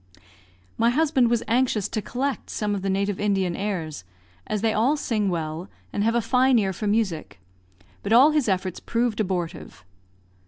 My husband was anxious to collect some of the native Indian airs, as they all sing well, and have a fine ear for music, but all his efforts proved abortive.